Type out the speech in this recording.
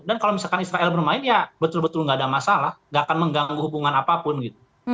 dan kalau misalkan israel bermain ya betul betul nggak ada masalah nggak akan mengganggu hubungan apapun gitu